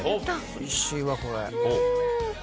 おいしいわこれ。